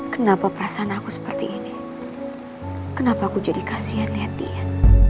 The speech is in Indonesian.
kenapa perasaan aku seperti ini kenapa aku jadi kasihan liat dia